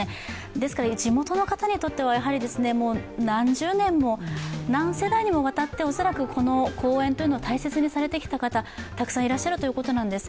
ですから地元の方にとってはやはり何十年も、何世代にもわたって恐らくこの公園というのを大切にしてきた方、たくさんいらっしゃるということなんです。